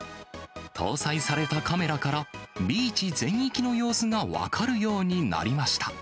搭載されたカメラから、ビーチ全域の様子が分かるようになりました。